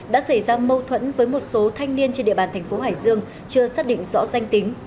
đã xảy ra mâu thuẫn với một số thanh niên trên địa bàn thành phố hải dương chưa xác định rõ danh tính